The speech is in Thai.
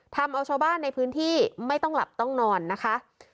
ทำเอาชาวบ้านในพื้นที่ไม่ต้องหลับต้องนอนนะคะ